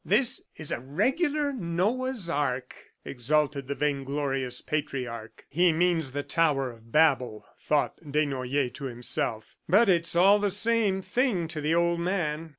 "This is a regular Noah's ark," exulted the vainglorious patriarch. "He means the tower of Babel," thought Desnoyers to himself, "but it's all the same thing to the old man."